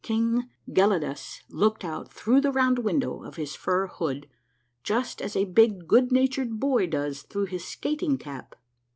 King Gelidus looked out through the round window of his fur hood, just as a big good natured boy does through his skating cap.